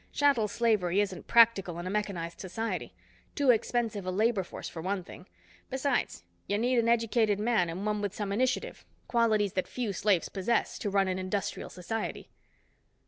Chattel slavery isn't practical in a mechanized society. Too expensive a labor force, for one thing. Besides, you need an educated man and one with some initiative—qualities that few slaves possess—to run an industrial society."